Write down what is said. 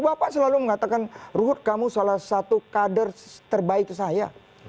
bapak selalu mengatakan ruhut kamu salah satu kader terbaik saya